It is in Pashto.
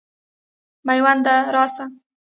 مېونده راسه.